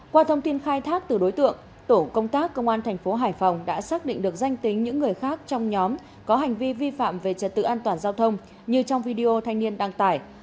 qua thông tin khai thác từ đối tượng tổ công tác công an thành phố hải phòng đã xác định được danh tính những người khác trong nhóm có hành vi vi phạm về trật tự an toàn giao thông như trong video thanh niên đăng tải